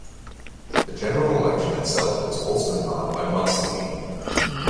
The general election itself was also marred by mudslinging.